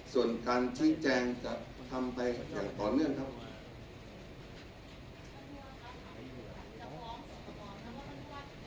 ส่วนการชี้แจงจะทำไปอย่างต่อเนื่องครับ